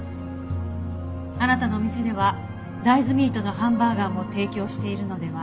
あなたのお店では大豆ミートのハンバーガーも提供しているのでは？